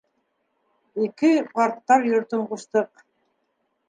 Ике ҡарттар йортон ҡуштыҡ.